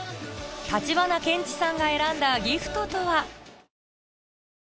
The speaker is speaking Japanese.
橘ケンチさんが選んだギフトとは？